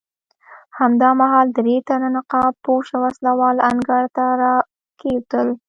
همدا مهال درې تنه نقاب پوشه وسله وال انګړ ته راکېوتل.